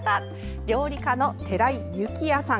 料理家の寺井幸也さん。